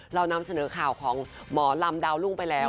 เรานำเสนอข่าวของหมอลำดาวรุ่งไปแล้ว